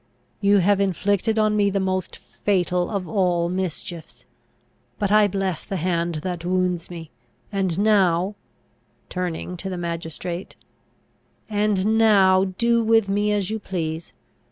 You have inflicted on me the most fatal of all mischiefs; but I bless the hand that wounds me. And now," turning to the magistrate "and now, do with me as you please.